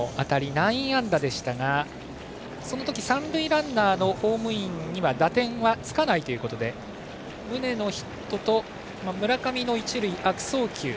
内野安打でしたがその時の三塁ランナーのホームインには打点はつかないということで宗のヒットと村上の一塁悪送球